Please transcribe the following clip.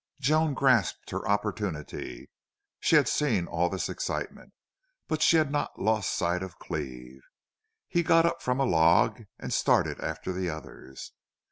Joan grasped her opportunity. She had seen all this excitement, but she had not lost sight of Cleve. He got up from a log and started after the others.